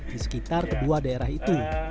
di sekitar kedua daerah itu